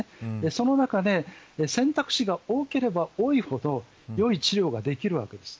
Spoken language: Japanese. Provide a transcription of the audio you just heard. その中で選択肢が多ければ多いほどよい治療ができるわけです。